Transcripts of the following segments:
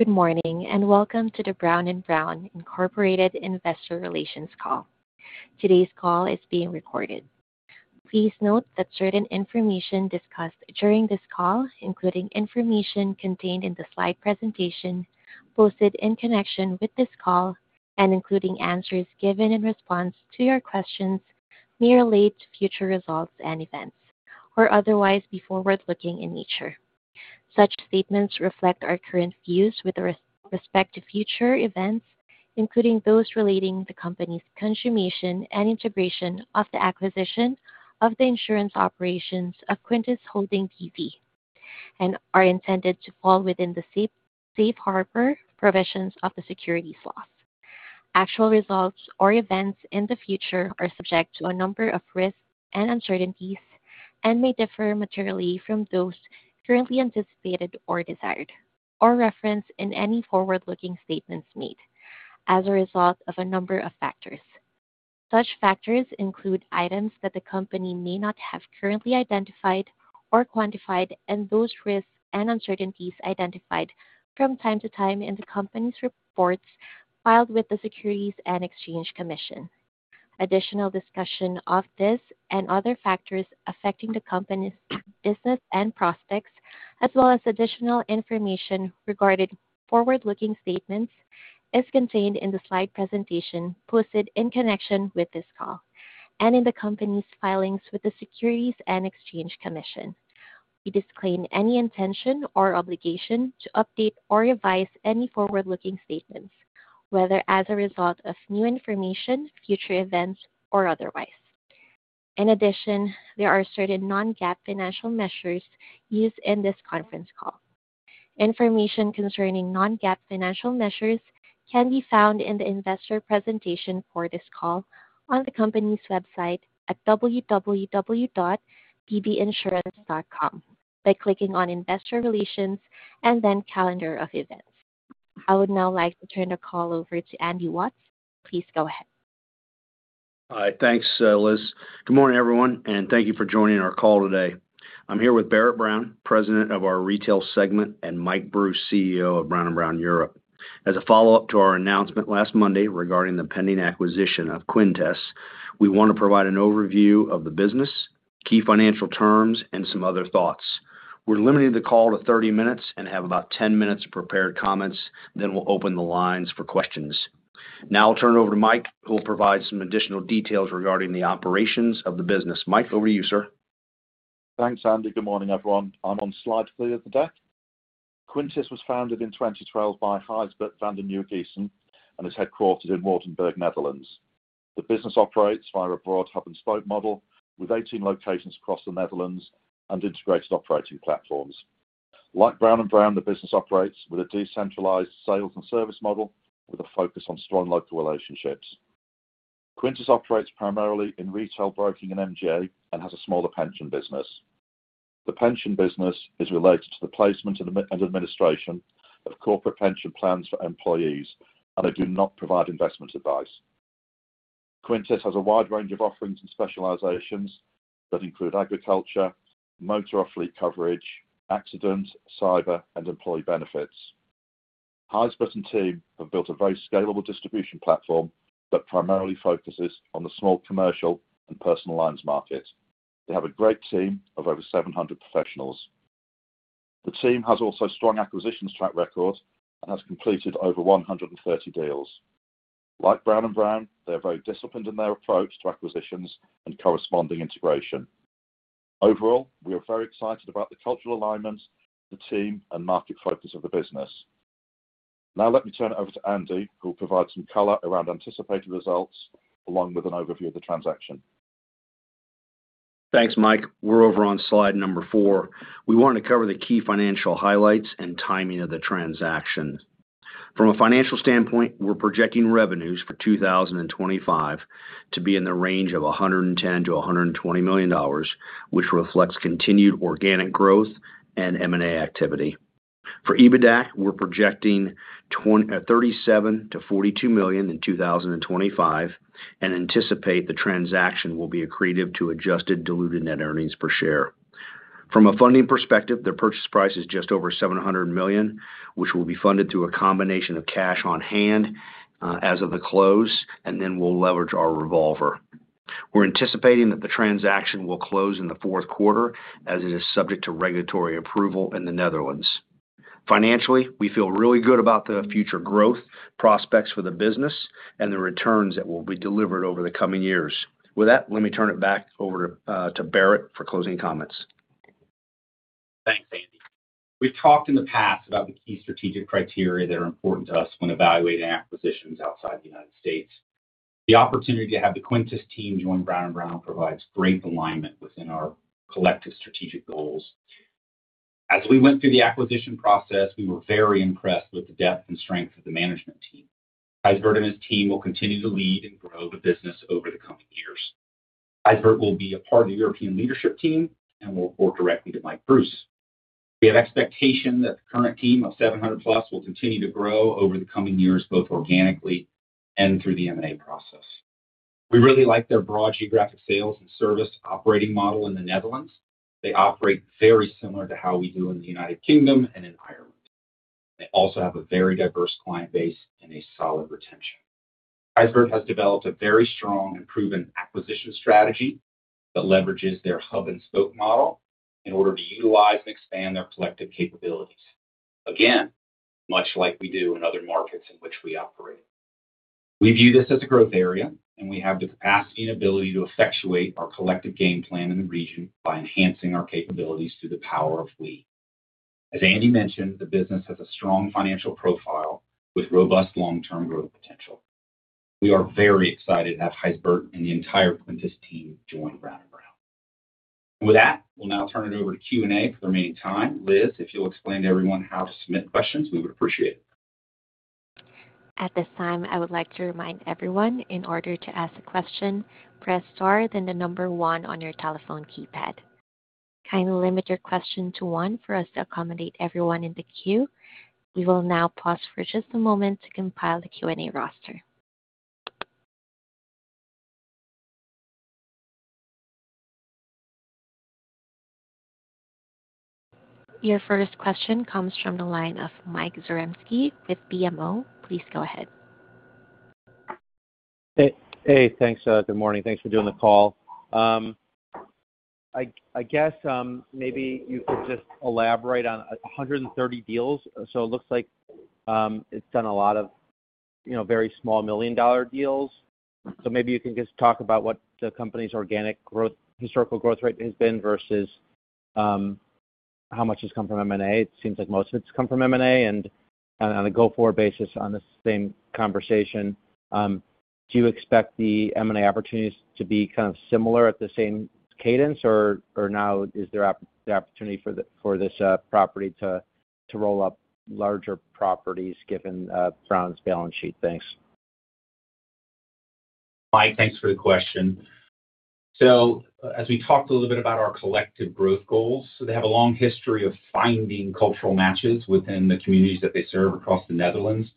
Good morning, and welcome to the Brown & Brown Incorporated Investor Relations call. Today's call is being recorded. Please note that certain information discussed during this call, including information contained in the slide presentation posted in connection with this call and including answers given in response to your questions, may relate to future results and events or otherwise be forward-looking in nature. Such statements reflect our current views with respect to future events, including those relating to the company's consummation and integration of the acquisition of the insurance operations of Quintes Holding B.V., and are intended to fall within the safe, safe harbor provisions of the securities laws. Actual results or events in the future are subject to a number of risks and uncertainties and may differ materially from those currently anticipated or desired or referenced in any forward-looking statements made as a result of a number of factors. Such factors include items that the company may not have currently identified or quantified, and those risks and uncertainties identified from time to time in the company's reports filed with the Securities and Exchange Commission. Additional discussion of this and other factors affecting the company's business and prospects, as well as additional information regarding forward-looking statements, is contained in the slide presentation posted in connection with this call and in the company's filings with the Securities and Exchange Commission. We disclaim any intention or obligation to update or revise any forward-looking statements, whether as a result of new information, future events, or otherwise. In addition, there are certain non-GAAP financial measures used in this conference call. Information concerning non-GAAP financial measures can be found in the investor presentation for this call on the company's website at www.bbinsurance.com by clicking on Investor Relations and then Calendar of Events. I would now like to turn the call over to Andy Watts. Please go ahead. Hi. Thanks, Liz. Good morning, everyone, and thank you for joining our call today. I'm here with Barrett Brown, president of our retail segment, and Mike Bruce, CEO of Brown & Brown Europe. As a follow-up to our announcement last Monday regarding the pending acquisition of Quintes, we want to provide an overview of the business, key financial terms, and some other thoughts. We're limiting the call to 30 minutes and have about 10 minutes of prepared comments, then we'll open the lines for questions. Now I'll turn it over to Mike, who will provide some additional details regarding the operations of the business. Mike, over to you, sir. Thanks, Andy. Good morning, everyone. I'm on slide 3 of the deck. Quintes was founded in 2012 by Gijsbert van de Nieuwegiessen and is headquartered in Waardenburg, Netherlands. The business operates via a broad hub-and-spoke model with 18 locations across the Netherlands and integrated operating platforms. Like Brown & Brown, the business operates with a decentralized sales and service model with a focus on strong local relationships. Quintes operates primarily in retail broking and MGA and has a smaller pension business. The pension business is related to the placement and administration of corporate pension plans for employees, and they do not provide investment advice. Quintes has a wide range of offerings and specializations that include agriculture, motor fleet coverage, accident, cyber, and employee benefits. Gijsbert and team have built a very scalable distribution platform that primarily focuses on the small commercial and personal lines market. They have a great team of over 700 professionals. The team has also strong acquisitions track record and has completed over 130 deals. Like Brown & Brown, they are very disciplined in their approach to acquisitions and corresponding integration. Overall, we are very excited about the cultural alignment, the team, and market focus of the business. Now let me turn it over to Andy, who will provide some color around anticipated results along with an overview of the transaction. Thanks, Mike. We're over on slide 4. We want to cover the key financial highlights and timing of the transaction. From a financial standpoint, we're projecting revenues for 2025 to be in the range of $110 million-$120 million, which reflects continued organic growth and M&A activity. For EBITDA, we're projecting 37 to 42 million in 2025 and anticipate the transaction will be accretive to adjusted diluted net earnings per share. From a funding perspective, the purchase price is just over $700 million, which will be funded through a combination of cash on hand, as of the close, and then we'll leverage our revolver. We're anticipating that the transaction will close in the fourth quarter, as it is subject to regulatory approval in the Netherlands. Financially, we feel really good about the future growth prospects for the business and the returns that will be delivered over the coming years. With that, let me turn it back over to Barrett for closing comments. Thanks, Andy. We've talked in the past about the key strategic criteria that are important to us when evaluating acquisitions outside the United States. The opportunity to have the Quintes team join Brown & Brown provides great alignment within our collective strategic goals. As we went through the acquisition process, we were very impressed with the depth and strength of the management team. Gijsbert and his team will continue to lead and grow the business over the coming years. Gijsbert will be a part of the European leadership team and will report directly to Mike Bruce. We have expectation that the current team of 700+ will continue to grow over the coming years, both organically and through the M&A process. We really like their broad geographic sales and service operating model in the Netherlands. They operate very similar to how we do in the United Kingdom and in Ireland. They also have a very diverse client base and a solid retention. Gijsbert has developed a very strong and proven acquisition strategy that leverages their hub-and-spoke model in order to utilize and expand their collective capabilities. Again, much like we do in other markets in which we operate. We view this as a growth area, and we have the capacity and ability to effectuate our collective game plan in the region by enhancing our capabilities through the Power of We. As Andy mentioned, the business has a strong financial profile with robust long-term growth potential. We are very excited to have Gijsbert and the entire Quintes team join Brown & Brown. With that, we'll now turn it over to Q&A for the remaining time. Liz, if you'll explain to everyone how to submit questions, we would appreciate it. At this time, I would like to remind everyone, in order to ask a question, press star, then the number one on your telephone keypad. Kindly limit your question to one for us to accommodate everyone in the queue. We will now pause for just a moment to compile the Q&A roster. Your first question comes from the line of Mike Zaremski with BMO. Please go ahead. Hey, hey, thanks. Good morning. Thanks for doing the call. I guess maybe you could just elaborate on 130 deals. So it looks like it's done a lot of, you know, very small million-dollar deals. So maybe you can just talk about what the company's organic growth, historical growth rate has been versus how much has come from M&A. It seems like most of it's come from M&A. And on a go-forward basis, on this same conversation, do you expect the M&A opportunities to be kind of similar at the same cadence, or now is there the opportunity for this property to roll up larger properties, given Brown's balance sheet? Thanks. Mike, thanks for the question. So as we talked a little bit about our collective growth goals, they have a long history of finding cultural matches within the communities that they serve across the Netherlands,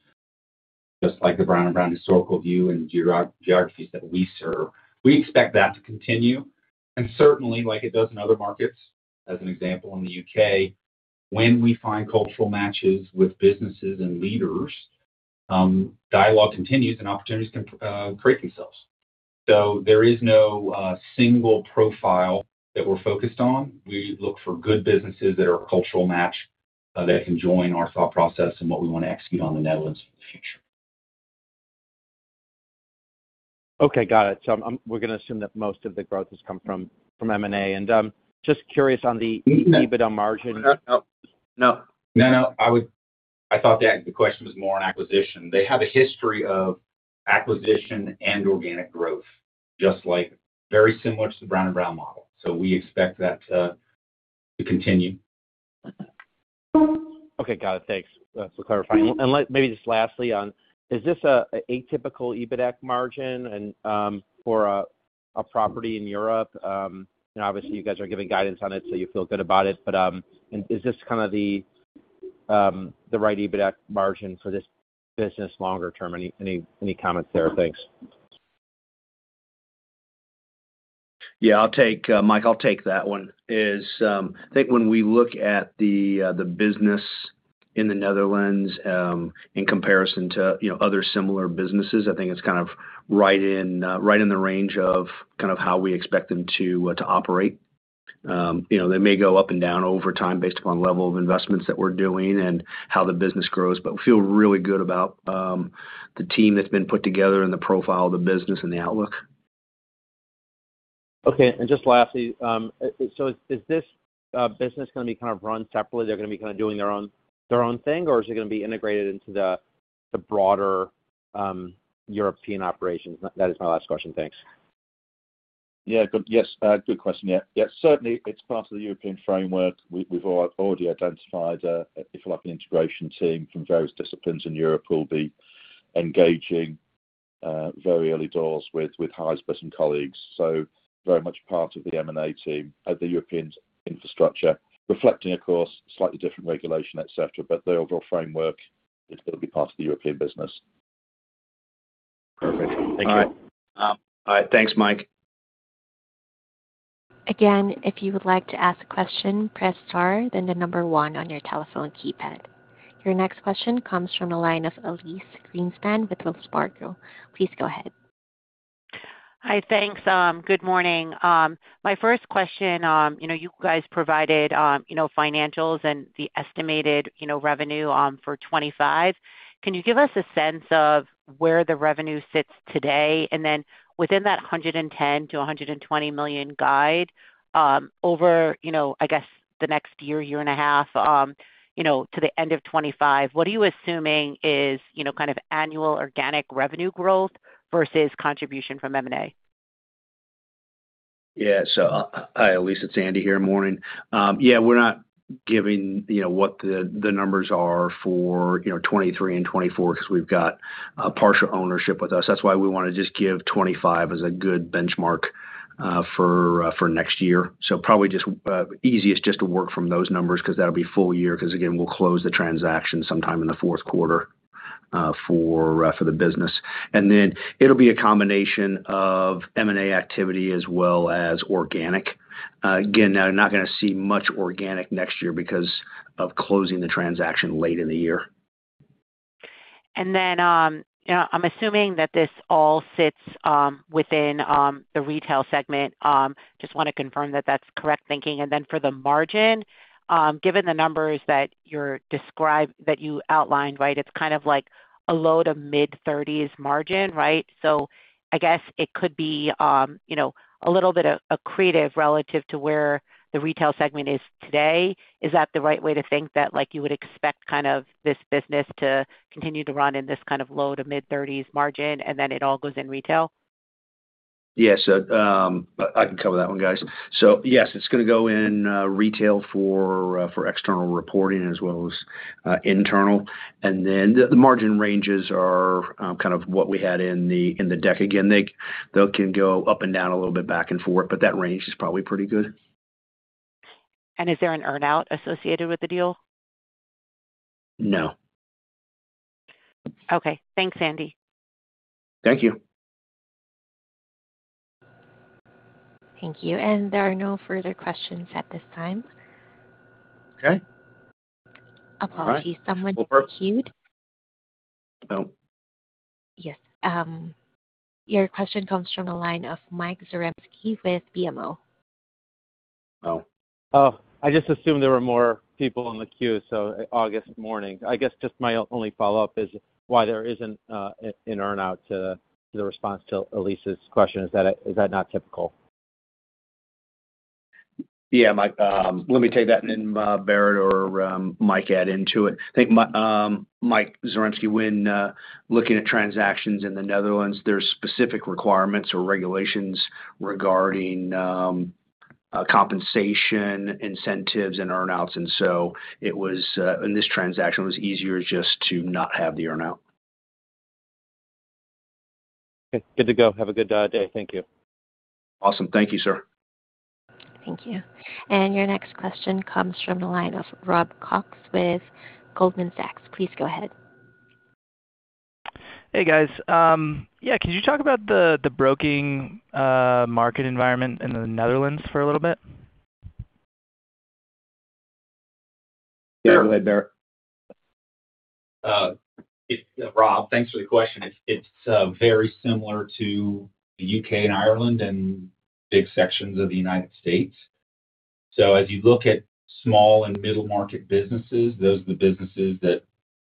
just like the Brown & Brown historical view and geographies that we serve. We expect that to continue, and certainly like it does in other markets, as an example, in the UK, when we find cultural matches with businesses and leaders, dialogue continues and opportunities can create themselves. So there is no single profile that we're focused on. We look for good businesses that are a cultural match, that can join our thought process and what we want to execute on the Netherlands for the future. Okay, got it. So we're gonna assume that most of the growth has come from M&A. And, just curious on the- -EBITDA margin. No, no. No, no, I would—I thought the, the question was more on acquisition. They have a history of acquisition and organic growth, just like very similar to the Brown & Brown model. So we expect that to continue. Okay, got it. Thanks for clarifying. And maybe just lastly on, is this a typical EBITDA margin and for a property in Europe? And obviously, you guys are giving guidance on it, so you feel good about it, but and is this kind of the right EBITDA margin for this business longer term? Any comments there? Thanks. Yeah, I'll take, Mike, I'll take that one. I think when we look at the business in the Netherlands, in comparison to, you know, other similar businesses, I think it's kind of right in the range of kind of how we expect them to operate. You know, they may go up and down over time based upon level of investments that we're doing and how the business grows. But we feel really good about the team that's been put together and the profile of the business and the outlook. Okay. Just lastly, so is this business gonna be kind of run separately? They're gonna be kind of doing their own thing, or is it gonna be integrated into the broader European operations? That is my last question. Thanks. Yeah, good. Yes, good question. Yeah, yeah, certainly it's part of the European framework. We've already identified, if you like, the integration team from various disciplines in Europe who will be engaging very early doors with Gijsbert and colleagues. So very much part of the M&A team of the European infrastructure, reflecting, of course, slightly different regulation, et cetera, but the overall framework, it's gonna be part of the European business. Perfect. Thank you. All right. Thanks, Mike. Again, if you would like to ask a question, press star, then the number one on your telephone keypad. Your next question comes from the line of Elyse Greenspan with Wells Fargo. Please go ahead. Hi, thanks. Good morning. My first question, you know, you guys provided, you know, financials and the estimated, you know, revenue, for 2025. Can you give us a sense of where the revenue sits today? And then within that $110 million-$120 million guide, over, you know, I guess, the next year, year and a half, you know, to the end of 2025, what are you assuming is, you know, kind of annual organic revenue growth versus contribution from M&A? Yeah. So, hi, Elyse, it's Andy here. Morning. Yeah, we're not giving, you know, what the, the numbers are for, you know, 2023 and 2024, because we've got a partial ownership with us. That's why we wanna just give 2025 as a good benchmark, for next year. So probably just easiest just to work from those numbers, 'cause that'll be full year, 'cause again, we'll close the transaction sometime in the fourth quarter, for the business. And then it'll be a combination of M&A activity as well as organic. Again, now you're not gonna see much organic next year because of closing the transaction late in the year. You know, I'm assuming that this all sits within the retail segment. Just wanna confirm that that's correct thinking. For the margin, given the numbers that you outlined, right? It's kind of like a low- to mid-30s margin, right? So I guess it could be, you know, a little bit accretive relative to where the retail segment is today. Is that the right way to think, that like you would expect kind of this business to continue to run in this kind of low- to mid-30s margin, and then it all goes in retail? Yes. So, I can cover that one, guys. So yes, it's gonna go in, retail for, for external reporting as well as, internal. And then the, the margin ranges are, kind of what we had in the, in the deck. Again, they, they can go up and down a little bit, back and forth, but that range is probably pretty good. Is there an earn-out associated with the deal? No. Okay, thanks, Andy. Thank you. Thank you. There are no further questions at this time. Okay. Apologies. All right. Someone in the queue. Oh. Yes. Your question comes from the line of Mike Zaremski with BMO. Oh. Oh, I just assumed there were more people in the queue, so good morning. I guess just my only follow-up is why there isn't an earn-out to the response to Elyse's question. Is that not typical? Yeah, Mike, let me take that, and then Barrett or Mike, add into it. I think Michael Zaremski, when looking at transactions in the Netherlands, there are specific requirements or regulations regarding compensation, incentives, and earn-outs, and so it was in this transaction, it was easier just to not have the earn-out. Okay, good to go. Have a good day. Thank you. Awesome. Thank you, sir. Thank you. And your next question comes from the line of Rob Cox with Goldman Sachs. Please go ahead. Hey, guys. Yeah, could you talk about the broking market environment in the Netherlands for a little bit? Yeah, go ahead, Barrett. Rob, thanks for the question. It's very similar to the U.K. and Ireland and big sections of the United States. So as you look at small and middle-market businesses, those are the businesses that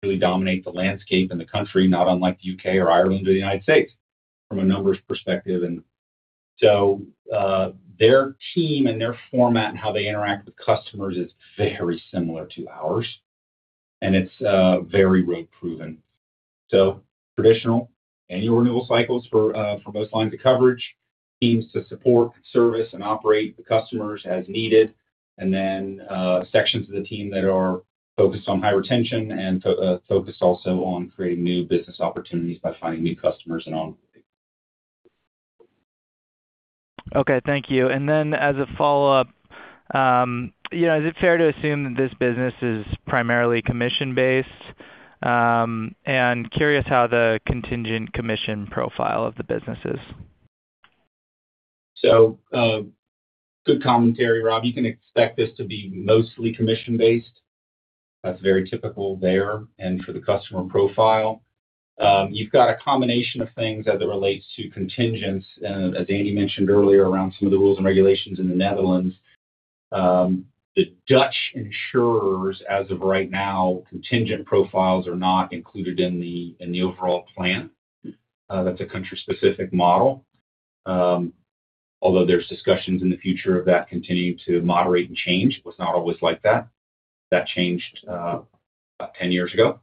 really dominate the landscape and the country, not unlike the U.K. or Ireland or the United States, from a numbers perspective. And so, their team and their format and how they interact with customers is very similar to ours, and it's very road-proven. So traditional annual renewal cycles for most lines of coverage, teams to support, service, and operate the customers as needed, and then sections of the team that are focused on high retention and focused also on creating new business opportunities by finding new customers and on. Okay, thank you. And then as a follow-up, yeah, is it fair to assume that this business is primarily commission-based? And curious how the contingent commission profile of the business is. So, good commentary, Rob. You can expect this to be mostly commission-based. That's very typical there and for the customer profile. You've got a combination of things as it relates to contingents, and as Andy mentioned earlier, around some of the rules and regulations in the Netherlands. The Dutch insurers, as of right now, contingent profiles are not included in the overall plan. That's a country-specific model. Although there's discussions in the future of that continuing to moderate and change. It was not always like that. That changed, about 10 years ago.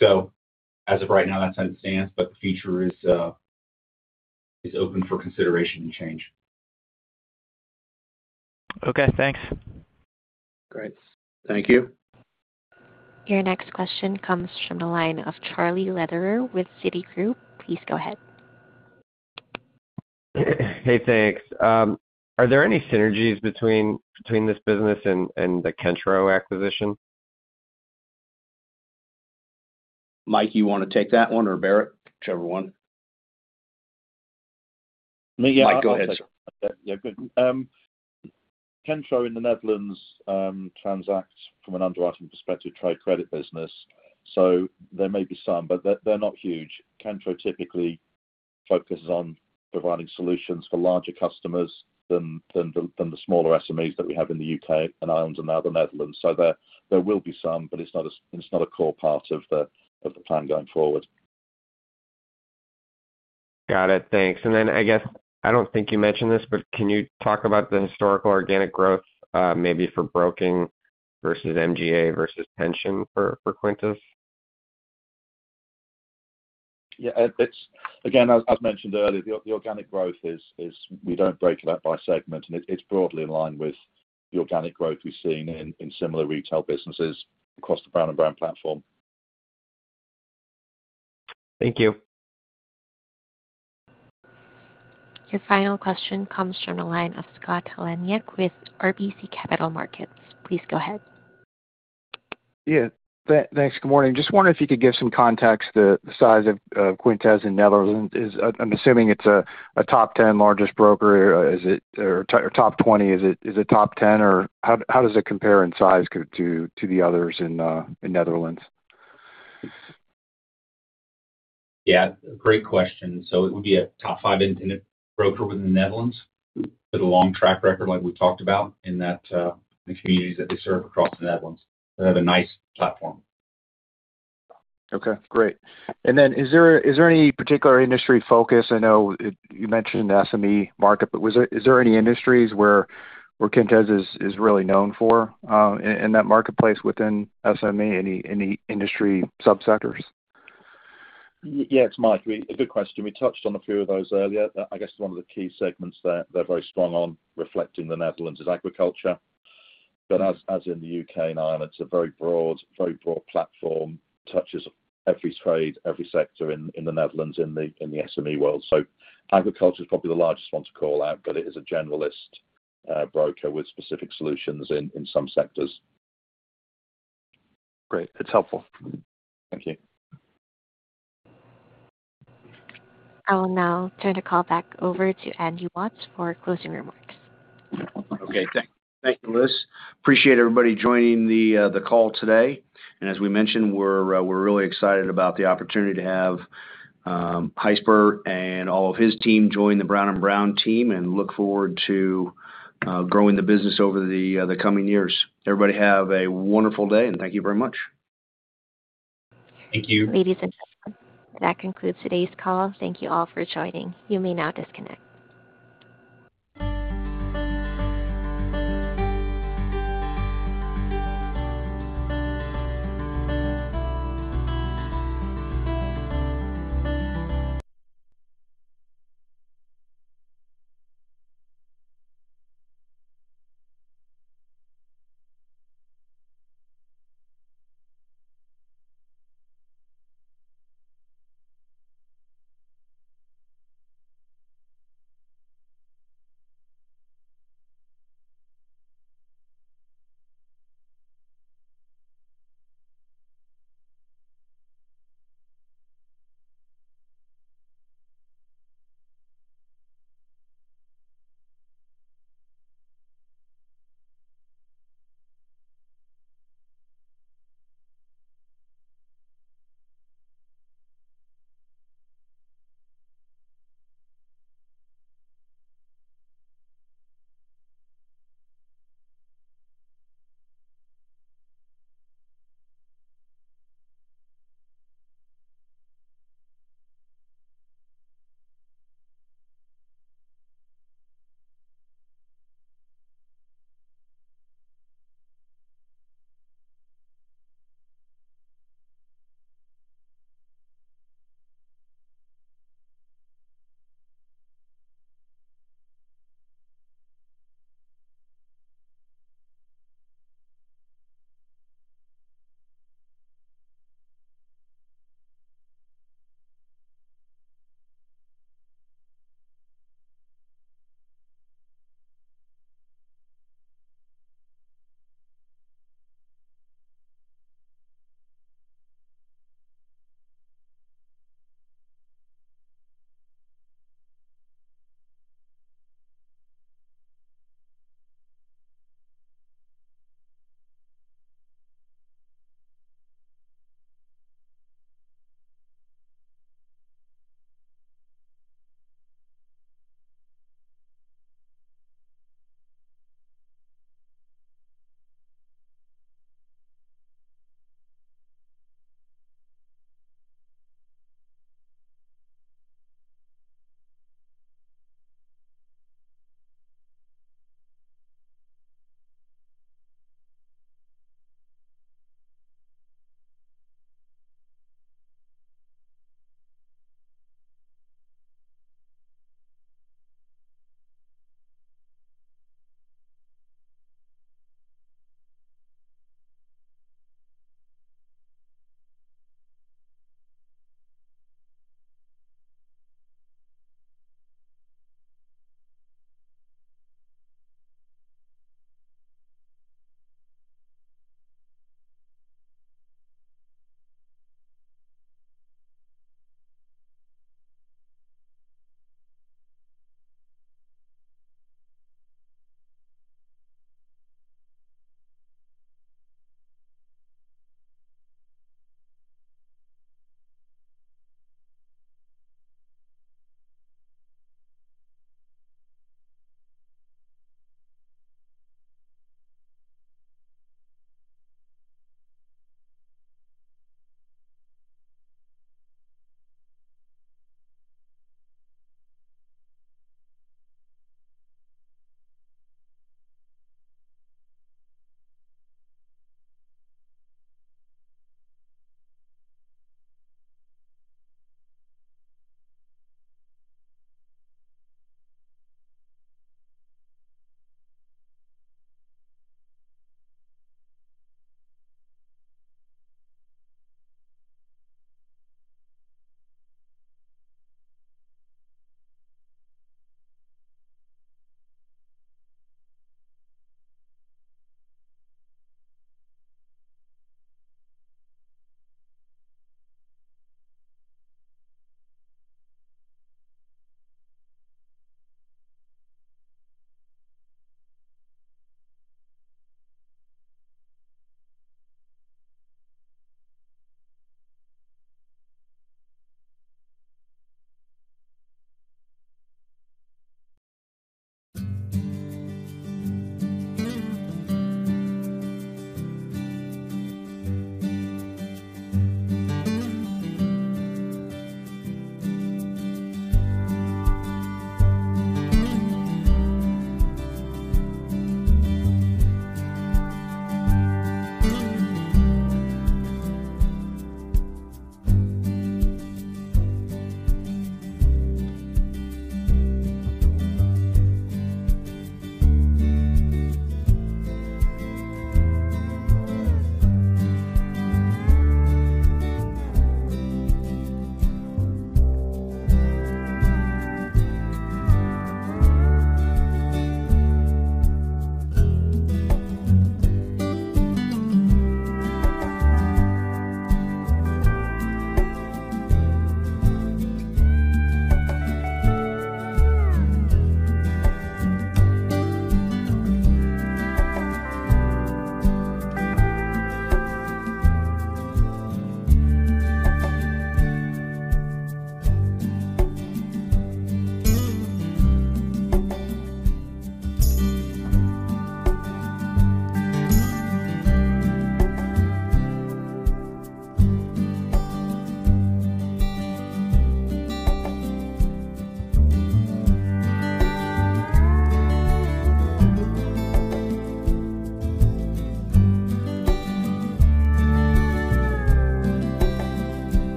So as of right now, that's how it stands, but the future is open for consideration and change. Okay, thanks. Great. Thank you. Your next question comes from the line of Charlie Lederer with Citigroup. Please go ahead. Hey, thanks. Are there any synergies between this business and the Kentro acquisition? Mike, you want to take that one, or Barrett? Whichever one. Me? Yeah- Mike, go ahead, sir. Yeah, good. Kentro in the Netherlands transacts from an underwriting perspective, trade credit business, so there may be some, but they're not huge. Kentro typically focuses on providing solutions for larger customers than the smaller SMEs that we have in the UK and Ireland and now the Netherlands. So there will be some, but it's not a core part of the plan going forward. Got it. Thanks. And then, I guess, I don't think you mentioned this, but can you talk about the historical organic growth, maybe for broking versus MGA versus pension for, for Quintes? Yeah, it's again, as mentioned earlier, the organic growth is we don't break it out by segment, and it's broadly in line with the organic growth we've seen in similar retail businesses across the Brown & Brown platform. Thank you. Your final question comes from the line of Scott Heleniak with RBC Capital Markets. Please go ahead. Yeah, thanks. Good morning. Just wondering if you could give some context, the size of Quintes in Netherlands. I'm assuming it's a top ten largest broker. Is it, or top twenty? Is it top ten, or how does it compare in size to the others in the Netherlands? Yeah, great question. So it would be a top five insurance broker within the Netherlands with a long track record, like we talked about, in that, the communities that they serve across the Netherlands. They have a nice platform. Okay, great. And then is there any particular industry focus? I know you mentioned the SME market, but was there—is there any industries where Quintes is really known for, in that marketplace within SME? Any industry subsectors? Yes, Mike, we. Good question. We touched on a few of those earlier. I guess one of the key segments they're very strong on in the Netherlands is agriculture. But as in the UK and Ireland, it's a very broad platform, touches every trade, every sector in the Netherlands, in the SME world. So agriculture is probably the largest one to call out, but it is a generalist broker with specific solutions in some sectors. Great. That's helpful. Thank you. I will now turn the call back over to Andy Watts for closing remarks. Okay, thank you, Liz. Appreciate everybody joining the call today. As we mentioned, we're really excited about the opportunity to have Gijsbert and all of his team join the Brown & Brown team, and look forward to growing the business over the coming years. Everybody have a wonderful day, and thank you very much. Thank you. Ladies and gentlemen, that concludes today's call. Thank you all for joining. You may now disconnect.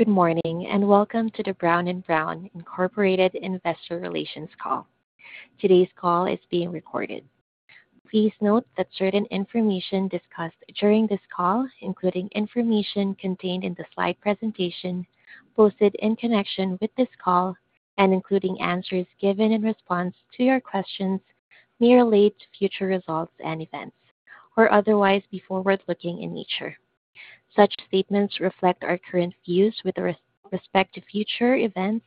Good morning, and welcome to the Brown & Brown, Inc. Investor Relations call. Today's call is being recorded. Please note that certain information discussed during this call, including information contained in the slide presentation posted in connection with this call and including answers given in response to your questions, may relate to future results and events or otherwise be forward-looking in nature. Such statements reflect our current views with respect to future events,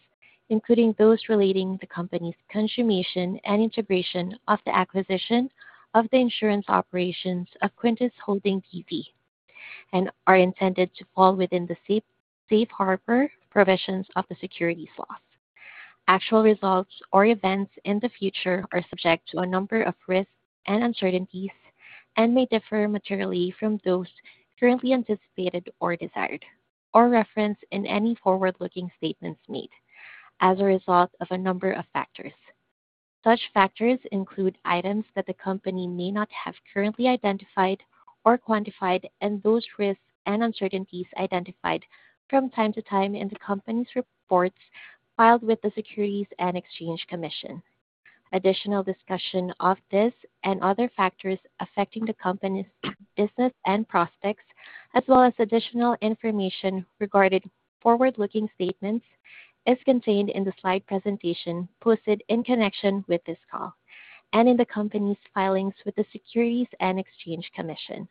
including those relating to the company's consummation and integration of the acquisition of the insurance operations of Quintes Holding B.V., and are intended to fall within the safe harbor provisions of the securities law. Actual results or events in the future are subject to a number of risks and uncertainties, and may differ materially from those currently anticipated or desired, or referenced in any forward-looking statements made as a result of a number of factors. Such factors include items that the company may not have currently identified or quantified, and those risks and uncertainties identified from time to time in the company's reports filed with the Securities and Exchange Commission. Additional discussion of this and other factors affecting the company's business and prospects, as well as additional information regarding forward-looking statements, is contained in the slide presentation posted in connection with this call, and in the company's filings with the Securities and Exchange Commission.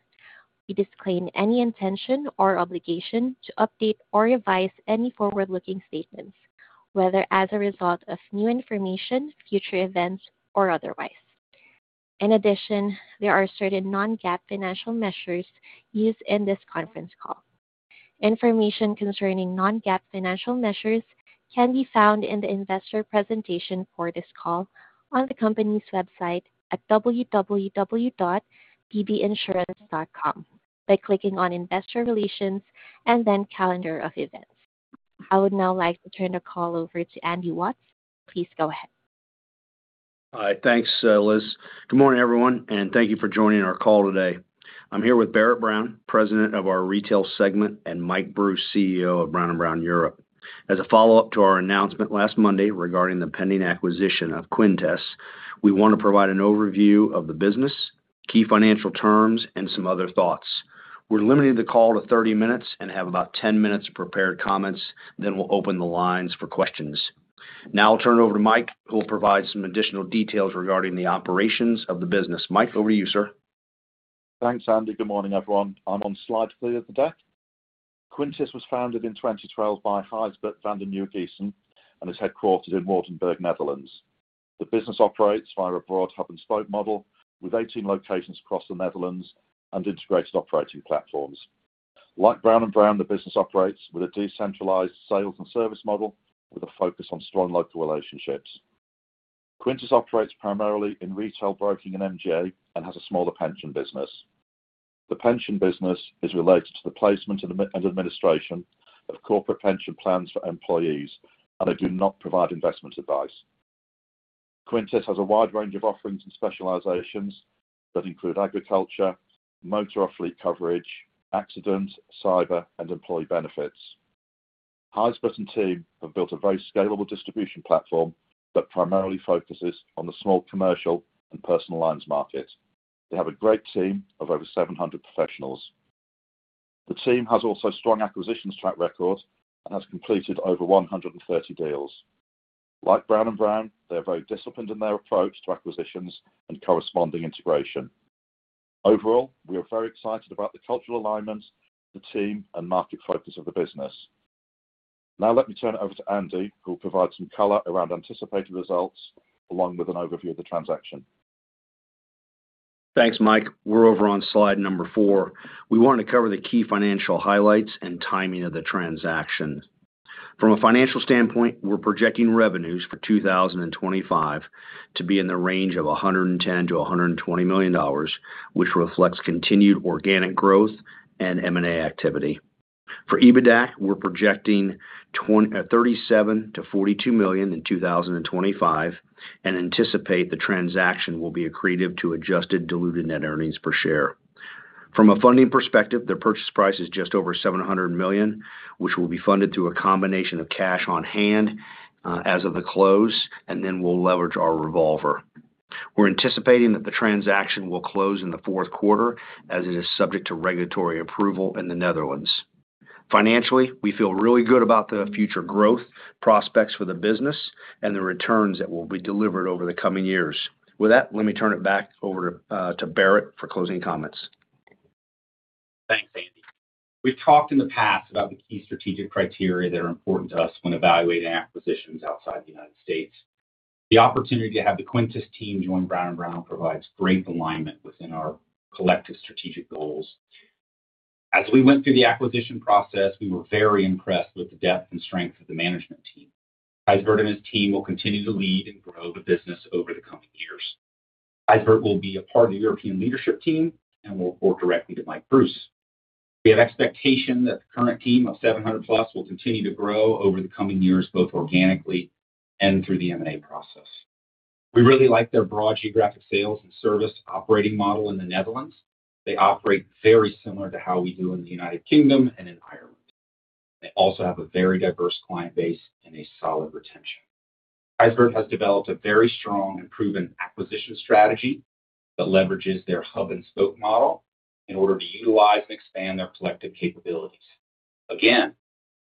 We disclaim any intention or obligation to update or revise any forward-looking statements, whether as a result of new information, future events, or otherwise. In addition, there are certain non-GAAP financial measures used in this conference call. Information concerning non-GAAP financial measures can be found in the investor presentation for this call on the company's website at www.bbinsurance.com, by clicking on Investor Relations and then Calendar of Events. I would now like to turn the call over to Andy Watts. Please go ahead. Hi. Thanks, Liz. Good morning, everyone, and thank you for joining our call today. I'm here with Barrett Brown, president of our retail segment, and Mike Bruce, CEO of Brown & Brown Europe. As a follow-up to our announcement last Monday regarding the pending acquisition of Quintes, we want to provide an overview of the business, key financial terms, and some other thoughts. We're limiting the call to 30 minutes and have about 10 minutes of prepared comments, then we'll open the lines for questions. Now I'll turn it over to Mike, who will provide some additional details regarding the operations of the business. Mike, over to you, sir. Thanks, Andy. Good morning, everyone. I'm on slide 3 of the deck. Quintes was founded in 2012 by Gijsbert van de Nieuwegiessen and is headquartered in Waardenburg, Netherlands. The business operates via a broad hub-and-spoke model with 18 locations across the Netherlands and integrated operating platforms. Like Brown & Brown, the business operates with a decentralized sales and service model with a focus on strong local relationships. Quintes operates primarily in retail broking and MGA and has a smaller pension business. The pension business is related to the placement and administration of corporate pension plans for employees, and they do not provide investment advice. Quintes has a wide range of offerings and specializations that include agriculture, motor fleet coverage, accident, cyber, and employee benefits. Gijsbert and team have built a very scalable distribution platform that primarily focuses on the small, commercial, and personal lines market. They have a great team of over 700 professionals. The team has also strong acquisitions track record and has completed over 130 deals. Like Brown & Brown, they're very disciplined in their approach to acquisitions and corresponding integration. Overall, we are very excited about the cultural alignment, the team, and market focus of the business. Now let me turn it over to Andy, who will provide some color around anticipated results, along with an overview of the transaction. Thanks, Mike. We're over on slide number 4. We want to cover the key financial highlights and timing of the transaction. From a financial standpoint, we're projecting revenues for 2025 to be in the range of $110 million-$120 million, which reflects continued organic growth and M&A activity. For EBITDA, we're projecting thirty-seven to forty-two million in 2025, and anticipate the transaction will be accretive to adjusted diluted net earnings per share. From a funding perspective, the purchase price is just over $700 million, which will be funded through a combination of cash on hand, as of the close, and then we'll leverage our revolver. We're anticipating that the transaction will close in the fourth quarter, as it is subject to regulatory approval in the Netherlands. Financially, we feel really good about the future growth prospects for the business and the returns that will be delivered over the coming years. With that, let me turn it back over to Barrett for closing comments. Thanks, Andy. We've talked in the past about the key strategic criteria that are important to us when evaluating acquisitions outside the United States. The opportunity to have the Quintes team join Brown & Brown provides great alignment within our collective strategic goals. As we went through the acquisition process, we were very impressed with the depth and strength of the management team. Gijsbert and his team will continue to lead and grow the business over the coming years. Gijsbert will be a part of the European leadership team and will report directly to Mike Bruce. We have expectation that the current team of 700+ will continue to grow over the coming years, both organically and through the M&A process. We really like their broad geographic sales and service operating model in the Netherlands. They operate very similar to how we do in the United Kingdom and in Ireland. They also have a very diverse client base and a solid retention. Gijsbert has developed a very strong and proven acquisition strategy that leverages their hub-and-spoke model in order to utilize and expand their collective capabilities. Again,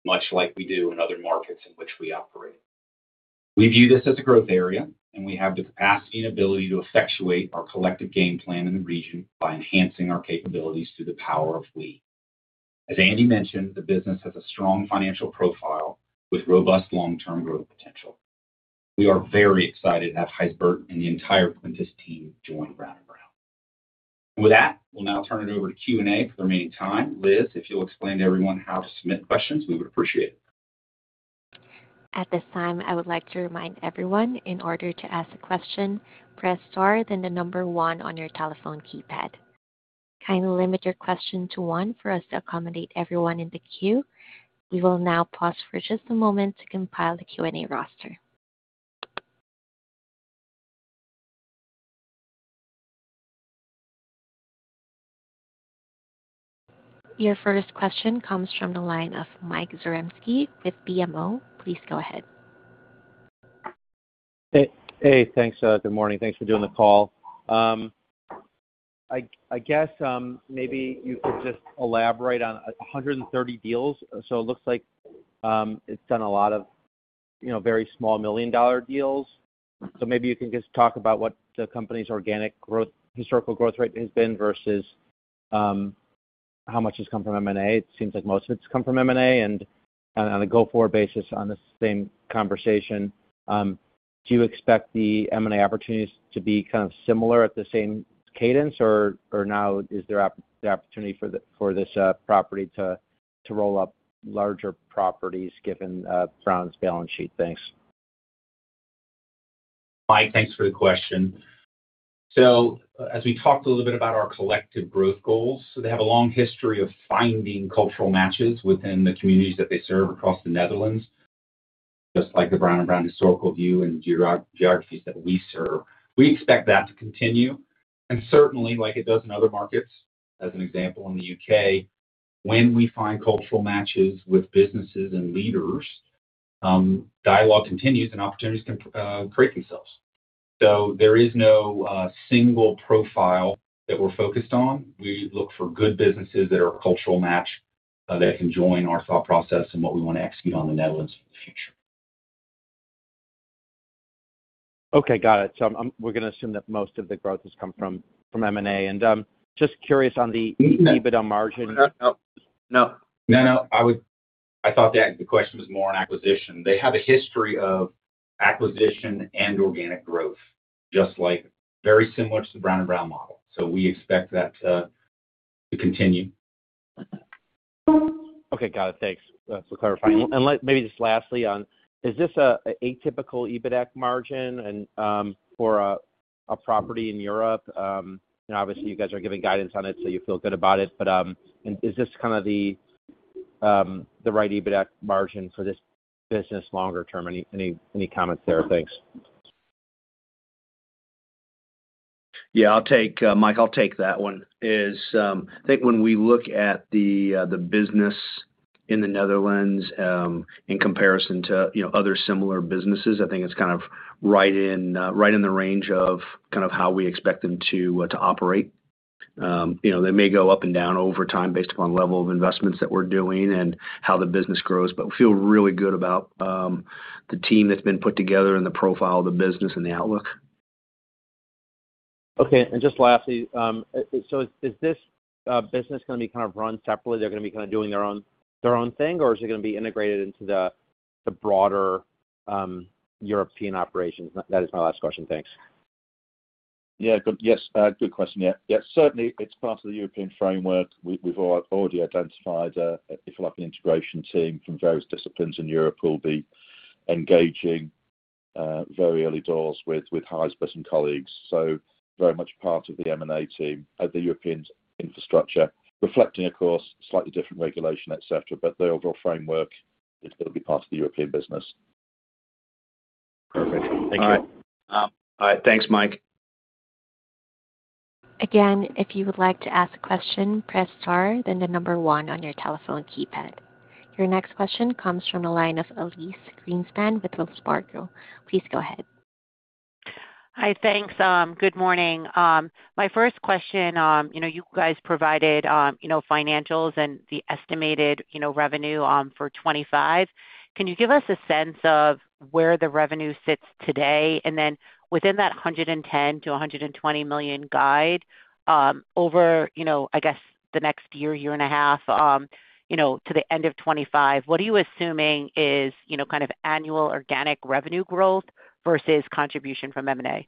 much like we do in other markets in which we operate. We view this as a growth area, and we have the capacity and ability to effectuate our collective game plan in the region by enhancing our capabilities through the Power of We. As Andy mentioned, the business has a strong financial profile with robust long-term growth potential. We are very excited to have Gijsbert and the entire Quintes team join Brown & Brown. With that, we'll now turn it over to Q&A for the remaining time. Liz, if you'll explain to everyone how to submit questions, we would appreciate it. At this time, I would like to remind everyone, in order to ask a question, press star, then the number one on your telephone keypad. Kindly limit your question to one for us to accommodate everyone in the queue. We will now pause for just a moment to compile the Q&A roster. Your first question comes from the line of Mike Zaremski with BMO. Please go ahead. Hey, hey, thanks. Good morning. Thanks for doing the call. I guess, maybe you could just elaborate on 130 deals. So it looks like, it's done a lot of, you know, very small million-dollar deals. So maybe you can just talk about what the company's organic growth, historical growth rate has been versus, how much has come from M&A. It seems like most of it's come from M&A. And on a go-forward basis, on the same conversation, do you expect the M&A opportunities to be kind of similar at the same cadence, or now is there the opportunity for the, for this, property to, to roll up larger properties given, Brown's balance sheet? Thanks. Mike, thanks for the question. So as we talked a little bit about our collective growth goals, they have a long history of finding cultural matches within the communities that they serve across the Netherlands, just like the Brown & Brown historical view and geographies that we serve. We expect that to continue, and certainly like it does in other markets, as an example, in the UK, when we find cultural matches with businesses and leaders, dialogue continues and opportunities can create themselves. So there is no single profile that we're focused on. We look for good businesses that are a cultural match, that can join our thought process and what we want to execute on the Netherlands for the future. Okay, got it. So we're gonna assume that most of the growth has come from M&A. And just curious on the EBITDA margin. No, no, no, no. I would, I thought the, the question was more on acquisition. They have a history of acquisition and organic growth, just like very similar to the Brown & Brown model. So we expect that to continue. Okay, got it. Thanks for clarifying. And let maybe just lastly on, is this an atypical EBITDA margin and for a property in Europe? And obviously you guys are giving guidance on it, so you feel good about it, but is this kind of the right EBITDA margin for this business longer term? Any comments there? Thanks. Yeah, I'll take, Mike, I'll take that one. It's, I think when we look at the, the business in the Netherlands, in comparison to, you know, other similar businesses, I think it's kind of right in, right in the range of kind of how we expect them to, to operate. You know, they may go up and down over time based upon level of investments that we're doing and how the business grows. But we feel really good about, the team that's been put together and the profile of the business and the outlook. Okay. And just lastly, so is this business gonna be kind of run separately? They're gonna be kind of doing their own, their own thing, or is it gonna be integrated into the, the broader European operations? That is my last question. Thanks. Yeah. Good. Yes, good question. Yeah, yeah, certainly it's part of the European framework. We've already identified a developing integration team from various disciplines in Europe who will be engaging very early doors with Gijsbert and colleagues. So very much part of the M&A team at the European infrastructure, reflecting, of course, slightly different regulation, etc., but the overall framework is it'll be part of the European business. Perfect. Thank you. All right. All right. Thanks, Mike. Again, if you would like to ask a question, press star, then the number one on your telephone keypad. Your next question comes from the line of Elyse Greenspan with Wells Fargo. Please go ahead. Hi, thanks. Good morning. My first question, you know, you guys provided, you know, financials and the estimated, you know, revenue, for 2025. Can you give us a sense of where the revenue sits today? And then within that $110 million-$120 million guide, over, you know, I guess, the next year, year and a half, you know, to the end of 2025, what are you assuming is, you know, kind of annual organic revenue growth versus contribution from M&A?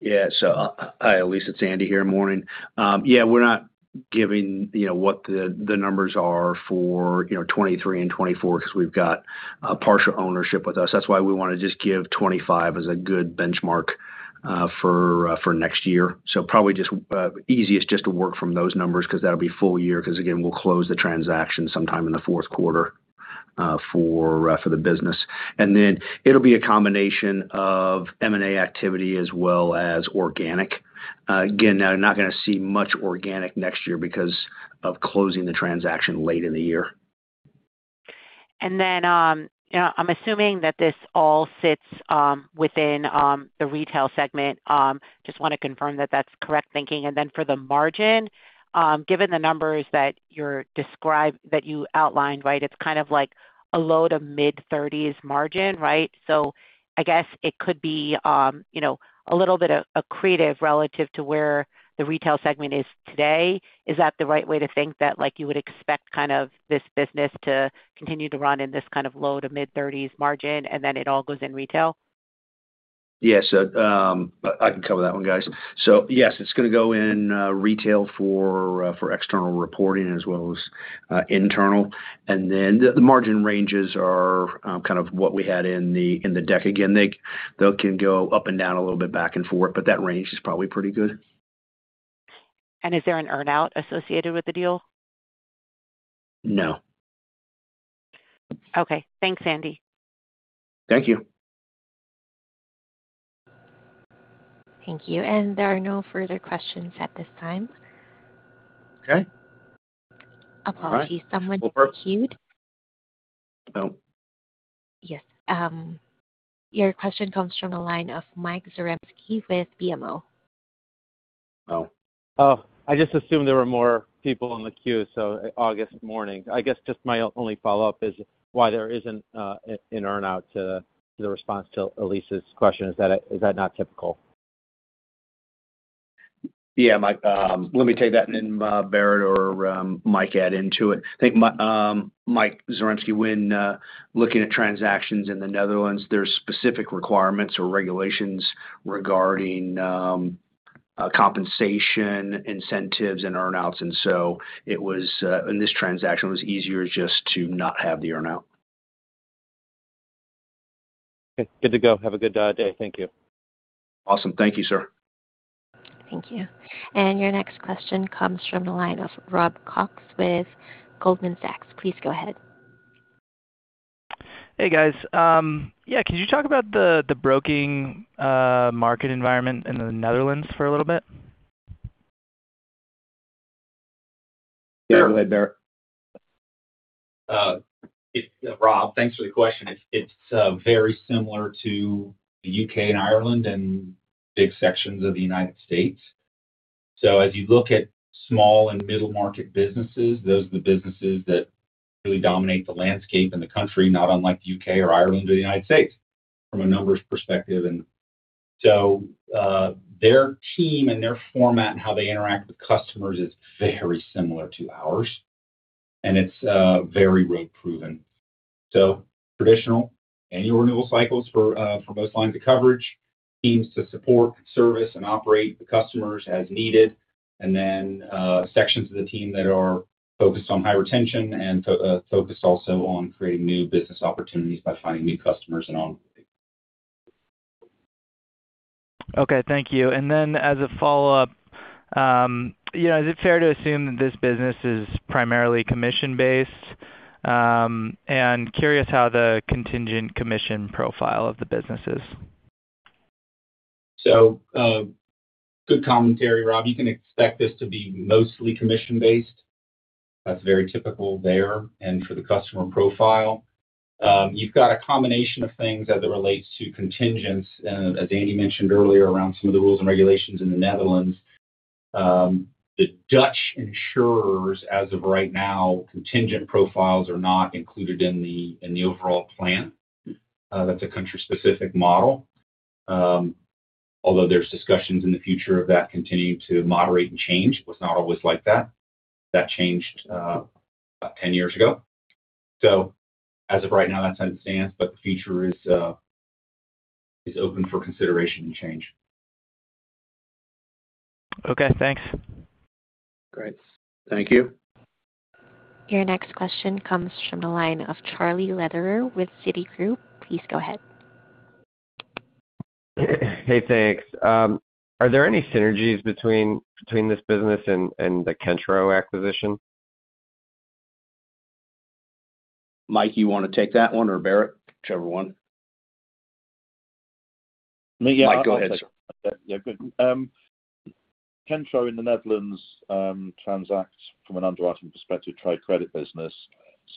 Yeah. So, hi, Elyse, it's Andy here. Morning. Yeah, we're not giving, you know, what the numbers are for, you know, 2023 and 2024, because we've got a partial ownership with us. That's why we wanna just give 2025 as a good benchmark for next year. So probably just easiest just to work from those numbers, because that'll be full year, because again, we'll close the transaction sometime in the fourth quarter for the business. And then it'll be a combination of M&A activity as well as organic. Again, they're not gonna see much organic next year because of closing the transaction late in the year. And then, you know, I'm assuming that this all sits within the retail segment. Just wanna confirm that that's correct thinking. And then for the margin, given the numbers that you outlined, right, it's kind of like a low- to mid-30s margin, right? So I guess it could be, you know, a little bit accretive relative to where the retail segment is today. Is that the right way to think that, like, you would expect kind of this business to continue to run in this kind of low- to mid-30s margin, and then it all goes in retail? Yes, so, I can cover that one, guys. So yes, it's gonna go in retail for external reporting as well as internal. And then the margin ranges are kind of what we had in the deck. Again, they can go up and down a little bit, back and forth, but that range is probably pretty good. Is there an earn-out associated with the deal? No. Okay. Thanks, Andy. Thank you. Thank you, and there are no further questions at this time. Okay. Apologies. Someone in the queue. Oh. Yes, your question comes from the line of Mike Zaremski with BMO. Oh. Oh, I just assumed there were more people in the queue, so good morning. I guess just my only follow-up is why there isn't an earn-out in response to Elyse's question. Is that not typical? Yeah, Mike, let me take that, and then Barrett or Mike add into it. I think Mike Zaremski, when looking at transactions in the Netherlands, there's specific requirements or regulations regarding compensation, incentives, and earn-outs, and so it was in this transaction, it was easier just to not have the earn-out. Okay, good to go. Have a good day. Thank you. Awesome. Thank you, sir. Thank you. And your next question comes from the line of Rob Cox with Goldman Sachs. Please go ahead. Hey, guys. Yeah, can you talk about the broking market environment in the Netherlands for a little bit? Yeah, go ahead, Barrett. Rob, thanks for the question. It's very similar to the UK and Ireland and big sections of the United States. So as you look at small and middle-market businesses, those are the businesses that really dominate the landscape in the country, not unlike the UK or Ireland or the United States, from a numbers perspective. And so, their team and their format and how they interact with customers is very similar to ours, and it's very road-proven. So traditional annual renewal cycles for most lines of coverage, teams to support, service, and operate the customers as needed, and then, sections of the team that are focused on high retention and focused also on creating new business opportunities by finding new customers and on. Okay, thank you. And then, as a follow-up, yeah, is it fair to assume that this business is primarily commission-based? And curious how the contingent commission profile of the business is? So, good commentary, Rob. You can expect this to be mostly commission-based. That's very typical there and for the customer profile. You've got a combination of things as it relates to contingents, and as Andy mentioned earlier, around some of the rules and regulations in the Netherlands. The Dutch insurers, as of right now, contingent profiles are not included in the overall plan. That's a country-specific model. Although there's discussions in the future of that continuing to moderate and change. It was not always like that. That changed about 10 years ago. So as of right now, that's how it stands, but the future is open for consideration and change. Okay, thanks. Great. Thank you. Your next question comes from the line of Charlie Lederer with Citigroup. Please go ahead. Hey, thanks. Are there any synergies between this business and the Kentro acquisition? Mike, you want to take that one, or Barrett? Whichever one. Me? Yeah. Mike, go ahead, sir. Yeah, good. Kentro in the Netherlands transacts from an underwriting perspective, trade credit business,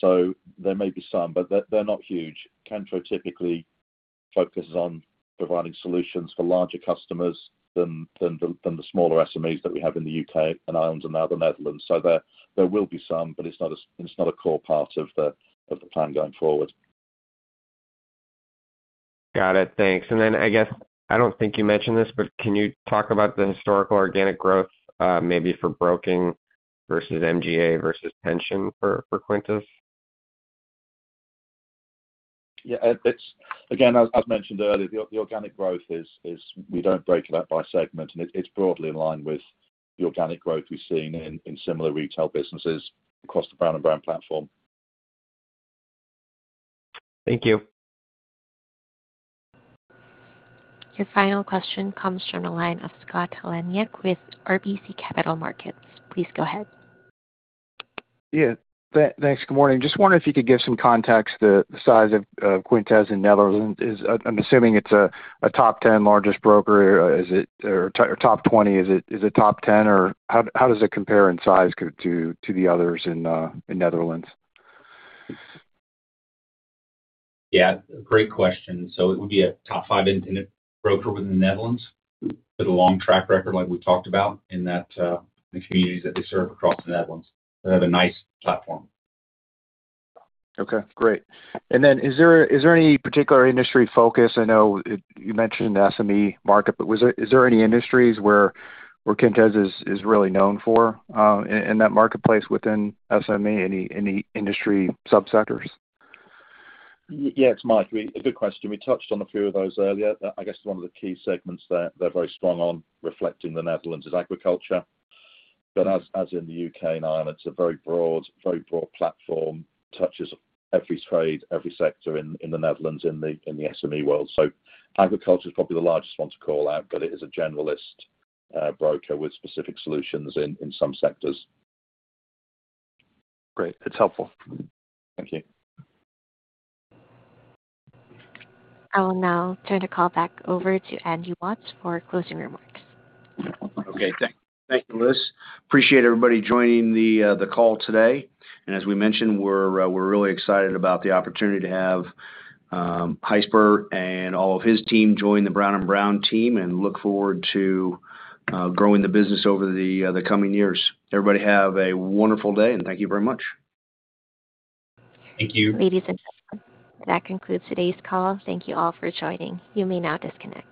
so there may be some, but they're not huge. Kentro typically focuses on providing solutions for larger customers than the smaller SMEs that we have in the UK and Ireland and now the Netherlands. So there will be some, but it's not a core part of the plan going forward. Got it. Thanks. And then, I guess, I don't think you mentioned this, but can you talk about the historical organic growth, maybe for broking versus MGA versus pension for, for Quintes? Yeah, it's again, as mentioned earlier, the organic growth is we don't break it out by segment, and it's broadly in line with the organic growth we've seen in similar retail businesses across the Brown and Brown platform. Thank you. Your final question comes from the line of Scott Heleniak with RBC Capital Markets. Please go ahead. Yeah, thanks. Good morning. Just wondering if you could give some context to the size of Quintes in Netherlands. Is... I'm assuming it's a top ten largest broker. Is it or top twenty? Is it top ten, or how does it compare in size to the others in Netherlands? Yeah, great question. So it would be a top five independent broker within the Netherlands with a long track record like we talked about in that, the communities that they serve across the Netherlands. They have a nice platform. Okay, great. And then is there any particular industry focus? I know you mentioned the SME market, but was there—is there any industries where Quintes is really known for in that marketplace within SME? Any industry subsectors? Yes, Mike, we.. Good question. We touched on a few of those earlier. I guess one of the key segments they're very strong on reflecting the Netherlands is agriculture, but as in the UK and Ireland, it's a very broad, very broad platform, touches every trade, every sector in the Netherlands, in the SME world. So agriculture is probably the largest one to call out, but it is a generalist broker with specific solutions in some sectors. Great. That's helpful. Thank you. I will now turn the call back over to Andy Watts for closing remarks. Okay, thank you, Liz. Appreciate everybody joining the call today. As we mentioned, we're really excited about the opportunity to have Gijsbert and all of his team join the Brown & Brown team and look forward to growing the business over the coming years. Everybody, have a wonderful day, and thank you very much. Thank you. Ladies and gentlemen, that concludes today's call. Thank you all for joining. You may now disconnect.